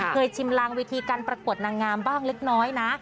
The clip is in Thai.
ชิมลางวิธีการประกวดนางงามบ้างเล็กน้อยนะ